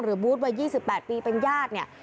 บูธวัย๒๘ปีเป็นญาติเนี่ย